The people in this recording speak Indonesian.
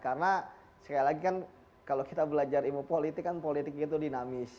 karena sekali lagi kan kalau kita belajar ilmu politik kan politik itu dinamis